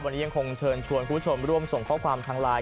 วันนี้ยังคงเชิญชวนคุณผู้ชมร่วมส่งข้อความทางไลน์